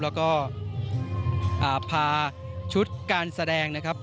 แล้วก็พาชุดการแสดงนะครับ